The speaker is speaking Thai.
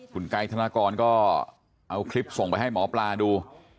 คุณไกด์ธนากรก็เอาคลิปส่งไปให้หมอปลาดู